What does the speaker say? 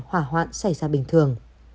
hỏa hoạn xảy ra bình thường